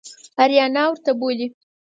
آریانا ورته بولي.